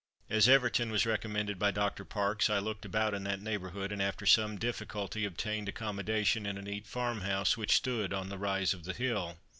As Everton was recommended by Dr. Parks, I looked about in that neighbourhood, and after some difficulty obtained accommodation in a neat farm house which stood on the rise of the hill.